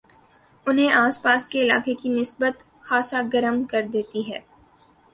انہیں آس پاس کے علاقے کی نسبت خاصا گرم کردیتی ہے